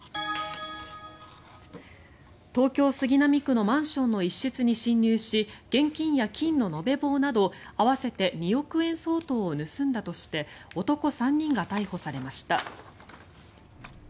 東京・杉並区のマンションの一室に侵入し現金や金の延べ棒など合わせて２億円相当を盗んだとして男３人が逮捕されました。